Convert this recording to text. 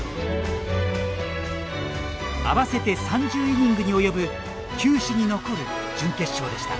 合わせて３０イニングに及ぶ球史に残る準決勝でした。